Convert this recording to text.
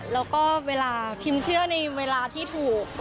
แล้วก็เวลาพิมเชื่อในเวลาที่ถูก